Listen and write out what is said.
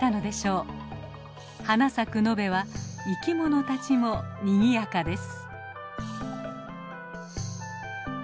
花咲く野辺は生き物たちもにぎやかです。